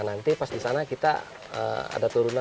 nanti pas di sana kita ada turunan